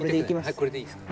これでいいですか。